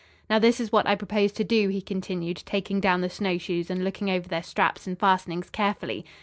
"Now, this is what I propose to do," he continued, taking down the snowshoes and looking over their straps and fastenings carefully.